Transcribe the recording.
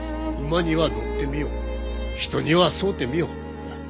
「馬には乗ってみよ人には添うてみよ」だ。